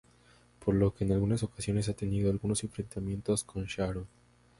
Por lo que en algunas ocasiones ha tenido algunos enfrentamientos con Shaoran.